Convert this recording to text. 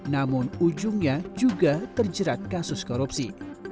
namun ujungnya juga terjerat kasus korupsi